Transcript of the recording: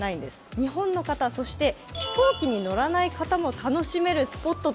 日本の方、そして飛行機に乗らない方も楽しめるスポットです。